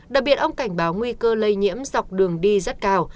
đặc biệt ông cảnh báo nguy cơ lây nhiễm dọc đường đi rất cao